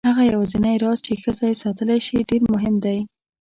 هغه یوازینی راز چې ښځه یې ساتلی شي ډېر مهم دی.